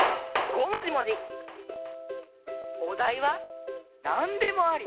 おだいはなんでもあり。